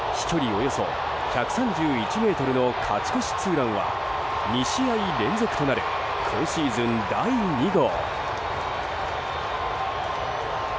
およそ１３１ｍの勝ち越しツーランは２試合連続となる今シーズン第２号。